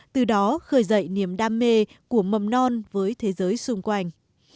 từ đó khởi dậy niềm đam mê của mầm non với thế giới xung quanh